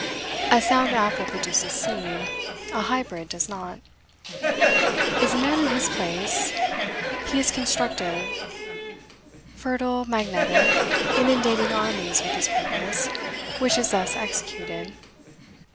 A sound apple produces seed, a hybrid does not. Is a man in his place, he is constructive, fertile, magnetic, inundating armies with his purpose, which is thus executed.